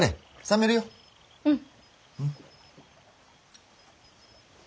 うん。